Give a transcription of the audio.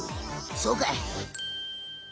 そうかい！